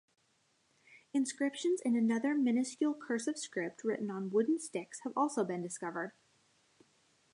Inscriptions in another minuscule cursive script written on wooden sticks have also been discovered.